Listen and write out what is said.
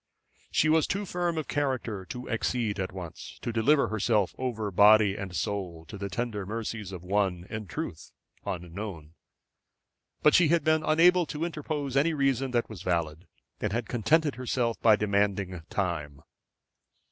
She was too firm of character to accede at once to deliver herself over body and soul to the tender mercies of one, in truth, unknown. But she had been unable to interpose any reason that was valid, and had contented herself by demanding time.